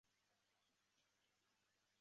贵船是京都府京都市左京区的地名。